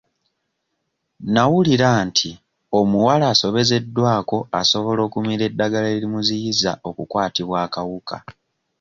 Nawulirako nti omuwala asobezeddwako asobola okumira eddagala erimuziyiza okukwatibwa akawuka.